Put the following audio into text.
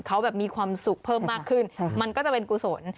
เขาแบบมีความสุขเพิ่มมากขึ้นมันก็จะเป็นกุศล